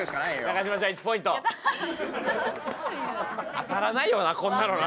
当たらないよなこんなのな。